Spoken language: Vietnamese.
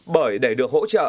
bởi để được hỗ trợ